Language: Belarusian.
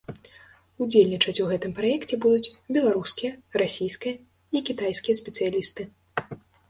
Удзельнічаць у гэтым праекце будуць беларускія, расійскія і кітайскія спецыялісты.